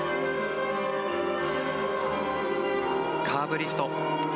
カーブリフト。